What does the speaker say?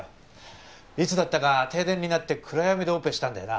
いつだったか停電になって暗闇でオペしたんだよな。